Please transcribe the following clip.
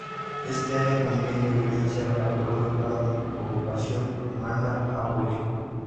Este área contiene evidencia arqueológica de ocupación humana aborigen.